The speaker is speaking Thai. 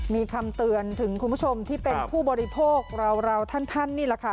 มีคำเตือนถึงคุณผู้ชมที่เป็นผู้บริโภคเราท่านนี่แหละค่ะ